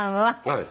はい。